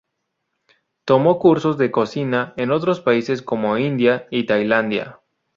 Tomó cursos de cocina en otros países como India y Tailandia.